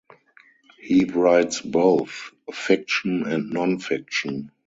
He writes both fiction and non-fiction.